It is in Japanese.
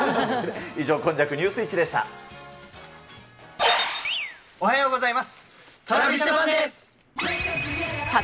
以上、おはようございます。